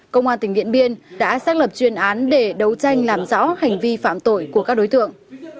công an tỉnh điện biên đã xác lập chuyên án để đấu tranh làm rõ hành vi phạm tội của các đối tượng